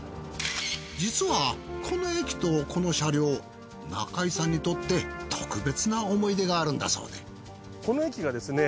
実はこの駅とこの車両中井さんにとって特別な思い出があるんだそうでこの駅がですね